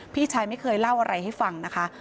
พี่ชายไม่เคยเล่าอะไรให้ฟังนะคะ